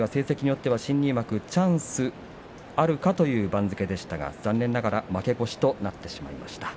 チャンスがあるかという番付でしたが残念ながら負け越しとなってしまいました。